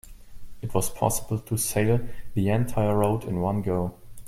It was possible to sail the entire route in one go.